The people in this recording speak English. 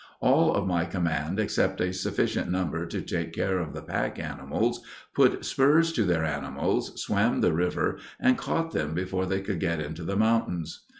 All of my command, except a sufficient number to take care of the pack animals, put spurs to their animals, swam the river and caught them before they could get into the mountains.